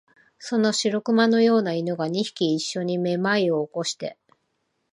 その白熊のような犬が、二匹いっしょにめまいを起こして、